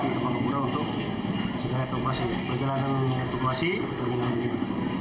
di tembagapura untuk perjalanan perjalanan perjalanan perjalanan perjalanan